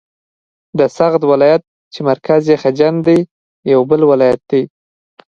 د سغد ولایت چې مرکز یې خجند دی یو بل ولایت دی.